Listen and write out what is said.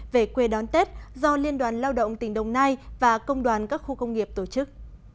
về quê đón tết do liên đoàn lao động tỉnh đồng nai và công đoàn các khu công nghiệp tổ chức